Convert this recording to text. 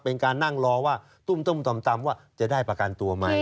เป็นการนั่งรอว่าตุ้มต่ำว่าจะได้ประกันตัวไหม